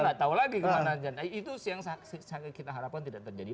nggak tahu lagi kemana itu yang kita harapkan tidak terjadi